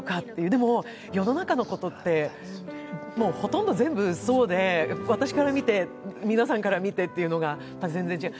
でも、世の中のことって、ほとんど全部そうで、私から見て、皆さんから見てというのが全然違う。